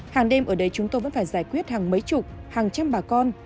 hàng đêm ở đây chúng tôi vẫn phải giải quyết hàng mấy chục hàng trăm bà con